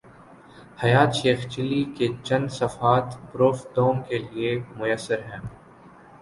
حیات شیخ چلی کے چند صفحات پروف دوم کے لیے میسر ہیں۔